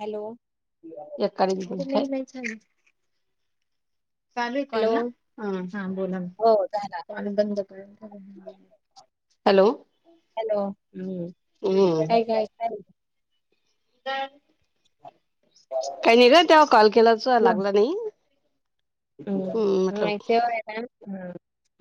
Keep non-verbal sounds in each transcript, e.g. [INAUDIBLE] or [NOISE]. Hello एकादी कोण तरी चालू आहे कॉल हॅलो ना ह हा बोला हो झाला कॉल बंद हॅलो हॅलो हम्म हम्म काय काय [INAUDIBLE] काही नाही र तेव्हा कॉल केलाच लागला नाही हम्म ह म्हटलं मा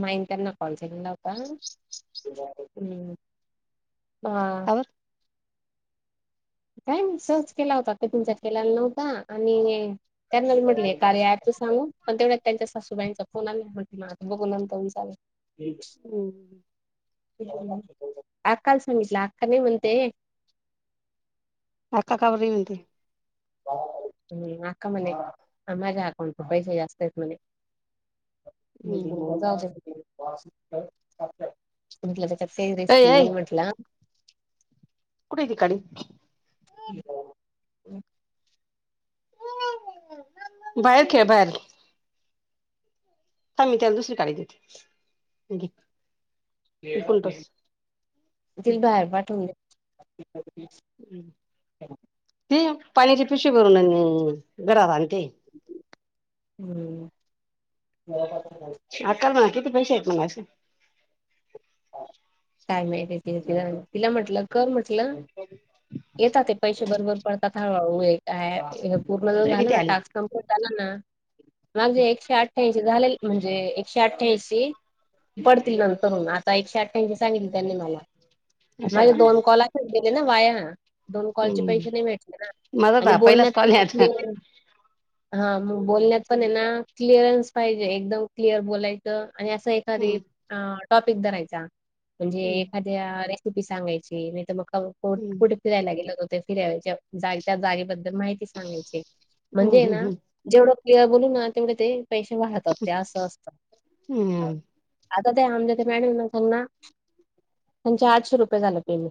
मा इंकना कॉल केलेला होता हा का काय सहज केला होता ते तुनच्याार केलाला नव्हता आणि त्यान म्हटले कार्य अँप च सांगू पण तेवढ्या त्यांच्या सासूबाईंचा फोन आला म्हण माझ बघूनंतऊून चाले हम् अकाला सांगितलं अका नाही म्हनते आका का बर ये म्हणती हम् अका मने आमझ अकाउंट पैसा जास्त यत मने हम्म जाऊदे तिकडं तुमला चत अय रेसिपी अय नाही म्हटला कुठ आहे ती काळी ह बाहेर खेळ बाहेर ह मी त्याला दुसरी काढ देते इकडून टोच तिला बाहेर पाठवून दे ती ते पाण्याचे पिशी भरून घरात आणि ते हम्म अकल म्हणालाती किती पैसे आहेतेत मग असं काय माहिती आहे ति तिला तिला म्हटलं कर म्हटलं अ येतात ते पैसे बरोबर पडतात हळूहळू काय पूर्ण जर तुझे झालं किती ना आले टास्क कमप् नाग एकशे आठ अठ्ठऐंशी झाले म्हणजे एकशे अठ्ठ्याऐंशी पडतील नंतर आता एकशे अठ्ठ्याऐंशी सांगितली त्यांनी मला असं का मागे दोन कॉल असच गेले ना वाया ह दोन कॉलचे हम्म पैसे नाही भेटले ना माझा तर आणि हा पहिलाच बोलण्यात कॉल आहे आता हा मग बोलण्यात पण आहे ना क्लिअरन्स पाहिजे एकदम क्लिअर बोलायचं आणि असं एक सरी हम्म टॉपिक धरायचा म्हणजे हम्म एखाद्या रेसिपी सांगायची नाही तर मग हम्म कुठे फिरायला गेलेत होते फिरायच्या जा त्या जागेबद्दल माहिती सांगायची म्हणजे हम्म ना हम्म जेवढं प बोलू ना तेवढे ते पैसे वाहतात ते असं असतं आता ते आमद्या ते मॅडम ना त्यांना त्यांचे आठशे रुपये झाले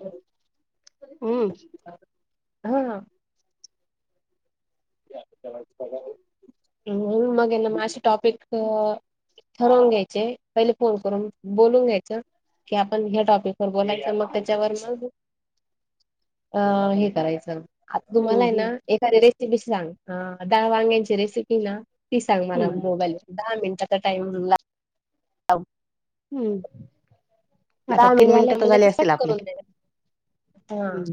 हम्म हा ह् मग ना माझ टॉपिक ठरवून घ्यायचे पहिले फोन करून बोलून घ्यायचं की आपण ह्या टॉपिक वर बोलायच मग त्याच्यावर मग अ हे करायचं आता तुम्हाला हम्म हम्म हम्म आहे ना एखादी रेसिपी सांग डाळ वांग्यांची रेसिपी ना ती सांग मला हम्म मोबाईल दहा मिनिटाचा टाइम ला हम्म आता दहा तीन मिनट झाले मिनिटं तर मला झाली कट असतील आपली करून द हा हम्म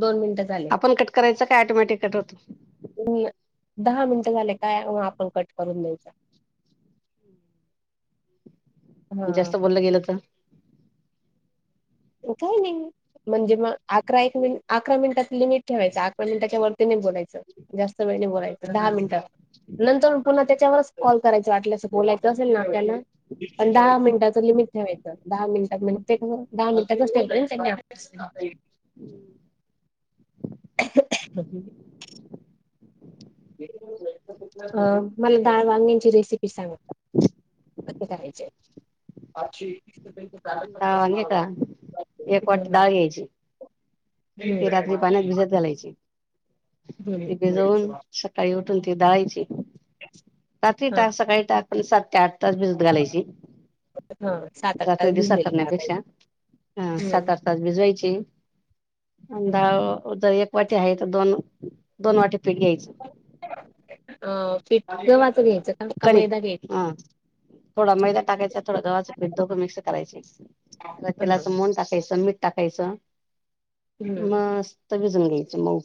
दोन मिनिट आपण कट करायचं काय ऑटोमॅटिक कट होतो दहा मिनिटं झाले काय मग आपण कट करून द्यायचं हा जास्त बोललं गेलं तर काय नाही म्हणजे मग अक एक मिट अकरा मिनिटाचं लिमिट ठेवायचं अकरा मिनिटाच्यावरती नाही बोलायचं जास्त वेळ नाही बोलायचं दहा मिनिटा नंतर पुन्हा त्याच्यावरच कॉल करायचं वाटल्यास बोलायचं असेल ना त्याला पण दहा मिनिटाचं लिमिट ठेवायचं दहा मिनिटात म्हणजे ते कसं [UNINTELLIGIBLE] हम्म ह अ मला डाळ वांग्यांची रेसिपी सांगा [UNINTELLIGIBLE] करायचे पाचशे एक आणि का एक वाटी डाळ घ्यायची ते रात्री पाण्यात भिजत घालायचे ते भिजवून सकाळी उठून ती दळायची रात्री हा तास सकाळी टाकून सात ते आठ त्याच बसत घालायची हा सात आठ रात्री तास दिसा भिजलेली डाळ करण्यापेक्षा ह पाहिजे सात आठ तास भिजवायची हम्म अंदाज जर एक वाटी आहे तर दोन दोन वाटी पीठ घ्यायचं अ पिट वाटून घ्यायचं का का कनिक मैदा घ्यायचा हा थोडा मैदा टाकायचा थोडं गव्हाचं पीठ दोघं मिक्स करायचे हा तेलाचं मोंन टाकायचं आणि मीठ टाकायचं हम्म मस्त भिजून घ्यायचं मऊ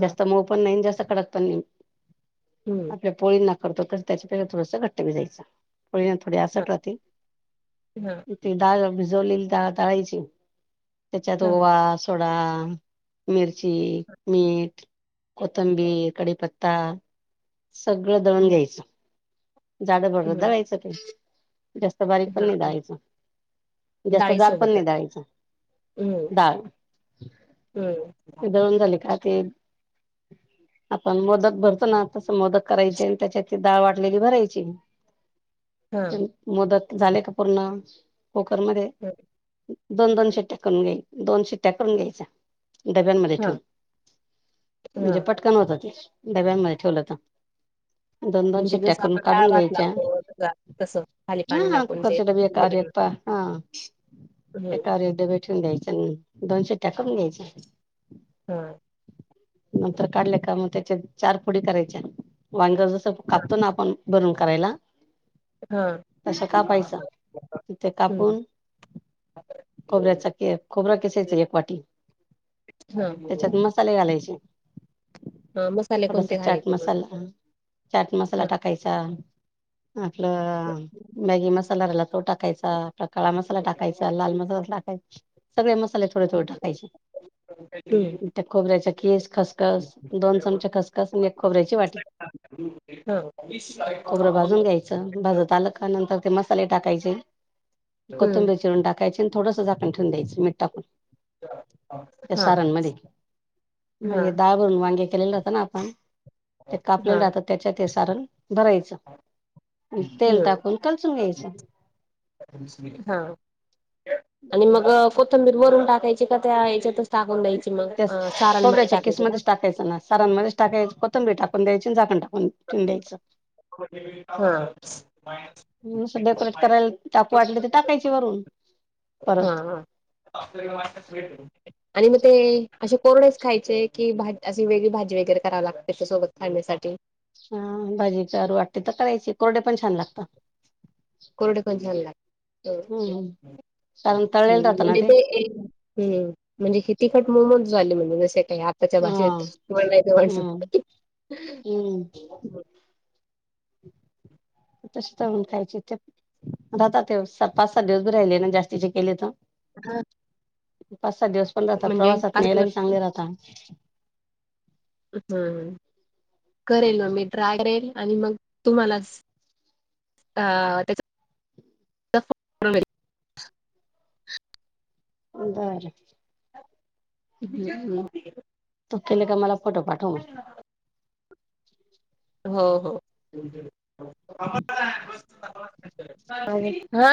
हा जास्त मऊपण नाही आणि जास्त कडक पण नाही हम् पोळी ना करतो तर त्याच्या पेक्षा थोडसं घट्ट भिजायचं पोळीना थोडी हा असट राहती हा ती डाळ भिजवलेली डाळ दळायची त्याच्यात हा ओवा थोडा मिरची मीठ कोथिंबीर, कडीपत्ता सगळं दळून घ्यायचं जाड भरड हम्म दळायचं ते जास्त बारीक पण हा नाही दळायचं जास्त डाळी जाडपण सोबतच नाही दळायचं हम्म डाळ हं, ते दळून झाले का ते आपण मोदक भरतो ना तसं मोदक करायचे आणि त्याच्यात डाळ वाटलेली भरायची हां, मोदक झाले का पूर्ण कूकर मध्ये हं, दोन दोन शिट्ट्या करून घ्याच्या दोन शिट्या करून घ्यायच्या डब्यांमध्ये हां, ठेवून म्हणजे हां. पट पटकन होतं ते डब्यांमध्ये ठेवलं हो तर दोन दोन म्हणजे शिट्या जसं करून आपण डाळ काढून भात घ्यायच्या लावतो तसा तसं खाली पाणी हा टाकून ते कुकरचे डबी डब्याला कारपा हा हं, एकावर एक डबे ठेऊन द्यायचे आणि दोन शिट्या करून द्यायच्या हां नंतर काढले का मग त्याच्यात चार फोडी करायच्या वांगं हां, कापतो ना आपण भरून करायला हां, तसं कापायचं तिथे हं, कापून खोबऱ्याचा किस खोबरा खिसायचं एक वाटी त्याच्यात हां. मग मसाले घालायचे हां, मसाले थोडासा कोणते चाट घालायचे मग? मसाला चाट मसाला हं, टाकायचा आपलं मॅगी मसाला तो टाकायचा आपला खडा मसाला टाकायचा लाल मसाला टाका सगळे मसाले थोडे थोडे टाकायचे हमम त्या खोबऱ्याचा कीस खसखस दोन चमचा खसखस आणि एक खोबऱ्याची वाटी हो खोबरं भाजून घ्यायचं भाजत आलं का नंतर ते मसाले टाकायचे हं, कोथंबिर चिरून टाकायची आणि थोडंसं झाकण ठेवूण द्यायाचं मीठ टाकून त्या हां, सारांमध्ये म्हणजे हां, डाळ भरून वांगे केलेले राहत ना आपण ते कापलेले हां, राहत त्याच्या ते सारण भरायचं तेल हं, टाकून परतून घ्यायचं हा आणि मग कोथंबीर वरून टाकायची का त्या याच्या त त्यास खोबऱ्याच्या का? केिसमध्येध्येच टाकायचं ना सारांमध्येच टाकायच कोथंबरी टाकून द्यायचीं झाकंण टाकून ठेऊन द्याचं नुसतं डेकोरेट करायला [UNINTELLIGIBLE] टाकू वाटलं ते टाकायचे वरून हां, परत [INAUDIBLE] आणि मग ते अ असे कोरडेच खायचे की भा अशी वेगळी भाजी वगैरे करावी लागते त्याच्यासोबत खाण्यासाठी हा भाजी करू वाटते तर करायची कोरडे पण छान लागत कोरडे पण छान लागतं हम्म कारण तळलेलं राहतं ना म्हणजे ते ते् म्हणजे तिखट मोमज झाले म्हणजे ज म्हणजे आत्ताच्या हा भाषेत म्हणायच हम्म हम्म तशी चाऊन खायचे ते राहता ते पाच सहा दिवस भी राहिले ना जास्तीचे केले तर हा पाच सात दिवस पण राहता म्हणजे प्रवासात पाच दिवस न्यायलाही चांगले राहता हम करेल मग मी ट्राय करेल आणि मग तुम्हाला अ त्या अर हम् तो केले का मला फोटो पाठव हो हो हा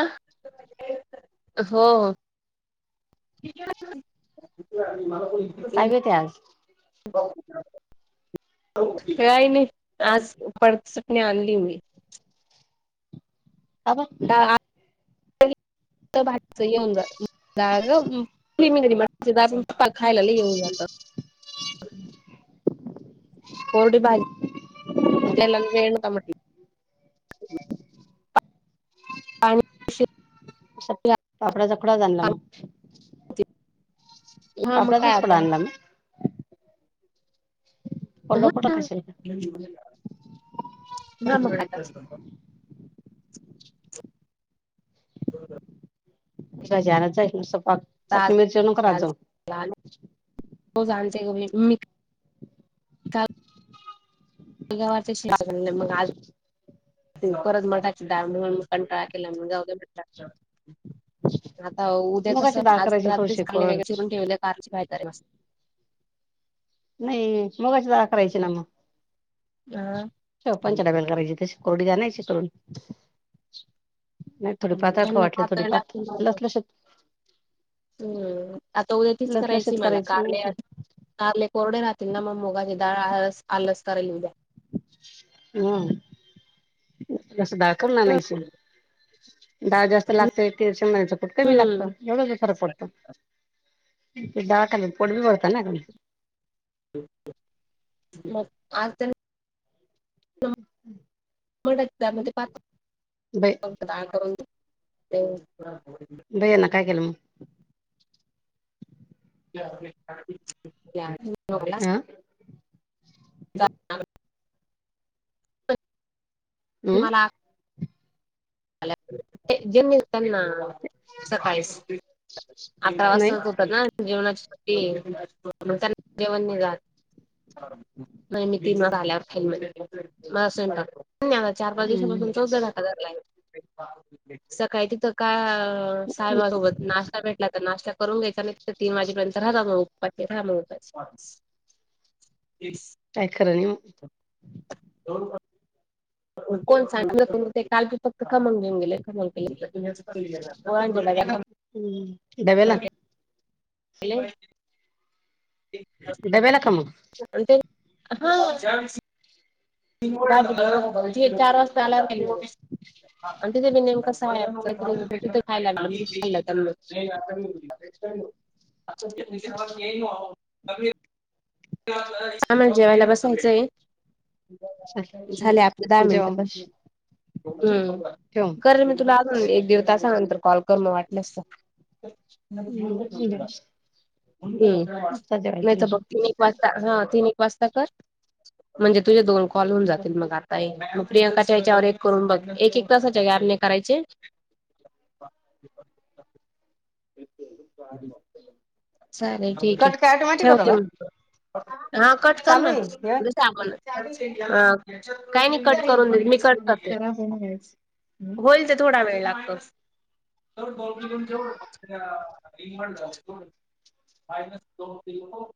हो ठी मला काय ब ते आज ब [INAUDIBLE] य नाही आज पर्सटने आणनली होई अ ह भाजच येऊन जात दाळली दाळ पण खायला येऊन जातं [UNINTELLIGIBLE] [INAUDIBLE] कोरडी भाजला वेण त म्हट हम पाणी अस उशिरा पापडा चकडा जाला पाणी मग होते. हा मग काय अपजच पड आता आणलं पलकट खाशर का ना मग जनाच आहेस पाक आज चटणी मिरचीण कराय जा हो जाणतेय ग मी तग व ते मगज ह त परत माक कंटाळा केला जाट [UNINTELLIGIBLE] [INAUDIBLE] आता उद्या मुगाची कसं डाळ आज करायची रात्रीच थोडीशी काले वगळे कोरड चिरून ठेवले कारची काही तरीतते नाही मगाची दार करायची ना मग ह शव पंचडाबेल करायची तशी कोरडी जाण्यायची करून नाही थोडी हम् पातळ खाऊ त्यांना वाटली थोडी पातळ लागत लसलशीत हम्म आता उद्या तीच लसलशीत करायची मला काल नाही तर आले कोरडे राहतील ना म मुगाची दाळ आलास करल उद्या हम बस दाखव ना नाहीस डळ जास्त लागतेी च म्याच कुठ कमी लागतं हम्म एवढं फरक पडतो दडहा पोड बी बरतात ना म आ म पा बै कर बैया ना काय केलं मग ला हा त मला हम्म ते ज्यांनी त्यांना सकाळीच अठरा नाही वाजताच होत ना जेवणा त्यांना जेवण जात नैमतीला मास धन्यवाद चार पाच दिवसा पाासून हम्म चौदा ढाका झालाय सकाळी तिथ का साहेब सोबत नाश्ता भेटला तर नाश्ता करून घ्यायचा नि ती माझी पर्यंत राहता मग पे थांबळ होत काय खर निम [UNINTELLIGIBLE] कोण सांगितलं तु ते काल प फक्त कमावून घेऊनेले कमा [UNINTELLIGIBLE] [UNINTELLIGIBLE] हम् डब्याला हॅलो डब्याला का म हा [UNINTELLIGIBLE] चार वाजता आला आणि तिथे मी नेमकस आहे [UNINTELLIGIBLE] [UNINTELLIGIBLE] [UNINTELLIGIBLE] आम्हाला जेवायला बसायचंय [UNINTELLIGIBLE] झाले आपल्या दहा जेवा मिनट मग पण हम् ठेव मग. कर मी तुला हां एक दीड तासा नंतर कॉल कर मग वाटलंतर हम्म बर हम्म आता जेवायला नाही तर तुम्ही बघ तीन एक वाजता हा तीन एक वाजता कर म्हणजे तुझ्या दोन कॉल होन जातील मग आता मग प्रियंकाच्या याच्यावर एक करून बघ एक एक तासाच्या गॅप ने करायचे [UNINTELLIGIBLE] चालेल ठीक आहे कट काय ऑटोमॅटिक होतो ठेवते का? म हा कट चालू आहे हे करणार सा आपण काही नाही कट करून देेत मी कट कर [UNINTELLIGIBLE] होईल तो. थोडा वेळ लागतो. मानस दो [UNINTELLIGIBLE]